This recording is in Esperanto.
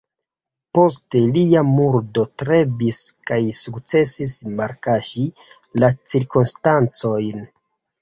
Post lia murdo strebis kaj sukcesis malkaŝi la cirkonstancojn.